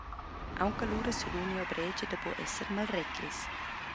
Auncallura sedun jeu breigia da buc esser malreclis.